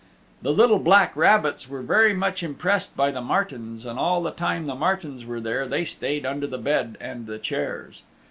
The little black rabbits were very much impressed by the martens, and all the time the martens were there they stayed under the bed and the chairs.